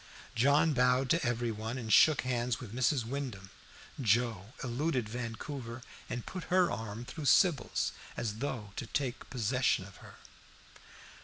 John bowed to every one and shook hands with Mrs. Wyndham. Joe eluded Vancouver and put her arm through Sybil's, as though to take possession of her.